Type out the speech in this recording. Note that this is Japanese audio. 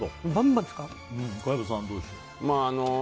小籔さん、どうでしょう？